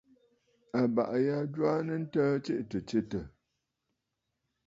Àbàʼà ya a jwaanə ntəə tsiʼì tɨ̀ stsetə̀.